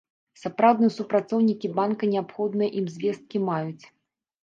Сапраўдныя супрацоўнікі банка неабходныя ім звесткі маюць.